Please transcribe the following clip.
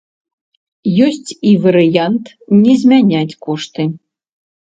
Ёсць і варыянт не змяняць кошты.